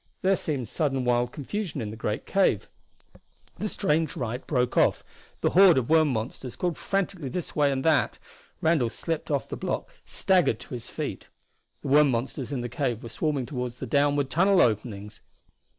There seemed sudden wild confusion in the great cave. The strange rite broke off; the horde of worm monsters crawled frantically this way and that in it. Randall slipped off the block; staggered to his feet. The worm monsters in the cave were swarming toward the downward tunnel openings!